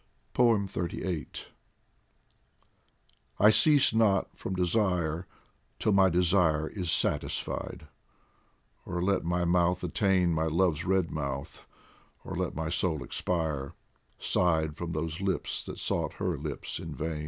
XXXVIII I CEASE not from desire till my desire Is satisfied ; or let my mouth attain My love's red mouth, or let my soul expire, Sighed from those lips that sought her lips in vain.